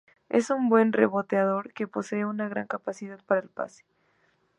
Es un buen reboteador que posee una gran capacidad para el pase.